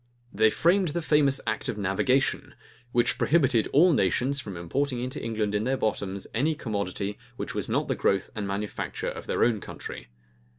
They framed the famous act of navigation; which prohibited all nations from importing into England in their bottoms any commodity which was not the growth and manufacture of their own country.